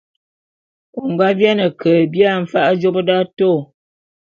O nga biane ke bia mfa'a jôp d'atôô.